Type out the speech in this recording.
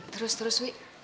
terus terus wi